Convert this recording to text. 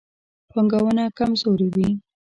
پانګونه کمزورې وي.